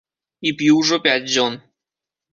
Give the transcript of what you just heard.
І п'ю ўжо пяць дзён.